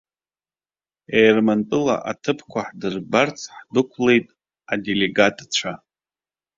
Ермантәыла аҭыԥқәа ҳдырбарц ҳдәықәлеит аделегатцәа.